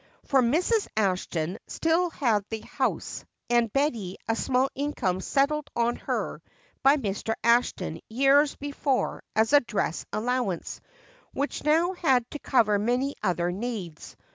For Mrs. Ashton still had the house and Betty a small income settled on her by Mr. Ashton years before as a dress allowance, which now had to cover many other needs.